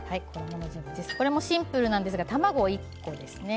これもシンプルなんですが卵１個ですね。